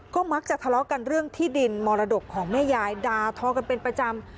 ก็มักจะทะเลาะกันเรื่องที่ดินมรดกของแม่ยายดาทอกันเป็นประจำ